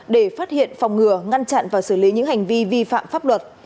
để phát hiện phòng ngừa ngăn chặn và xử lý những hành vi vi phạm pháp luật